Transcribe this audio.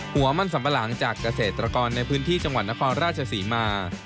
หัวมันสัมปะหลังจากเกษตรกรในพื้นที่จังหวัดนครราชศรีมา